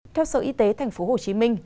theo sở y tế tp hcm